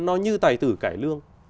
nó như tài tử cải lương